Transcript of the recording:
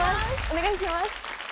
お願いします